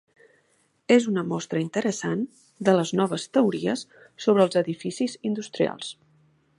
És una mostra interessant de les noves teories sobre els edificis industrials.